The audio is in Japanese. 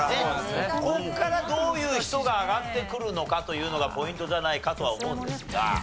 ここからどういう人が挙がってくるのかというのがポイントじゃないかとは思うんですが。